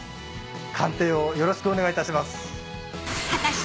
鑑定をよろしくお願いいたします。